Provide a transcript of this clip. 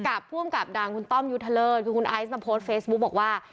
กับผู้อำกับดังคุณต้อมยุทธเลิศคือคุณไอซ์มาโพสต์เฟซบุ๊กบอกว่า